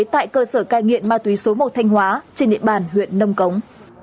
tại cơ sở cai nghiện ma túy số một thanh hóa trên địa bàn huyện nông cống